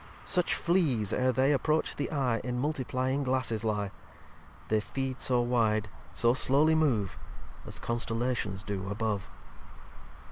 Such Fleas, ere they approach the Eye, In Multiplyiug Glasses lye. They feed so wide, so slowly move, As Constellations do above.